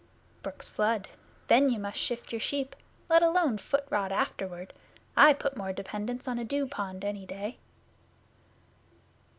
'Brooks flood. Then you must shift your sheep let alone foot rot afterward. I put more dependence on a dew pond any day.